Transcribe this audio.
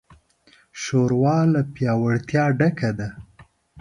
ښوروا له پیاوړتیا ډکه ده.